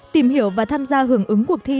tìm hiểu và tham gia hưởng ứng cuộc thi